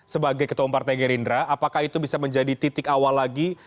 sebagai ketua partai gerindra apakah itu bisa menjadi titik awal lagi